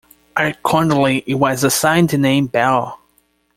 Accordingly, it was assigned the name "Belle".